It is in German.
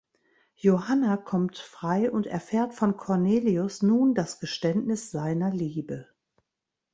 Johanna kommt frei und erfährt von Cornelius nun das Geständnis seiner Liebe.